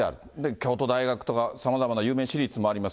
京都大学とか、さまざまな有名私立もあります。